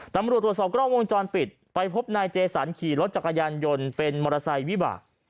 ตำรวจตรวจสอบกล้องวงจรปิดไปพบนายเจสันขี่รถจักรยานยนต์เป็นมอเตอร์ไซค์วิบาก